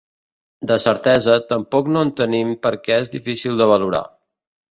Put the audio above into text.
De certesa, tampoc no en tenim perquè és difícil de valorar.